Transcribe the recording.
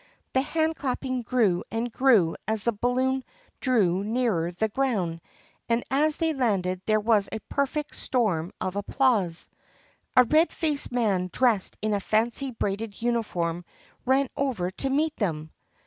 The hand clapping grew and grew as the balloon drew nearer the ground and as they landed there was a perfect storm of applause. A red faced man dressed in a fancy braided uniform ran over to meet them.